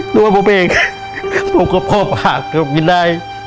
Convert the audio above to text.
ดูว่าผมเองผมก็พ่อพากก็กินได้